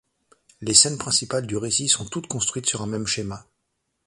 Les scènes principales du récit sont toutes construites sur un même schéma.